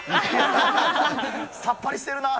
さっぱりしてるなぁ。